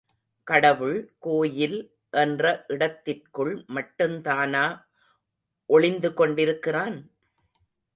கடவுள், கோயில் என்ற இடத்திற்குள் மட்டுந்தானா ஒளிந்து கொண்டிருக்கிறான்?